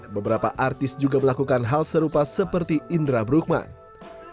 beberapa artis juga melakukan hal serupa seperti indra brukman